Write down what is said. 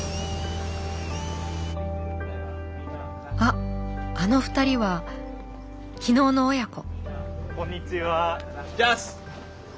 あっあの２人は昨日の親子。